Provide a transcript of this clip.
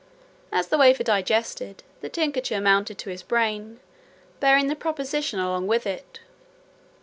As the wafer digested, the tincture mounted to his brain, bearing the proposition along with it.